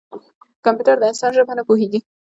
کمپیوټر د انسان ژبه نه پوهېږي.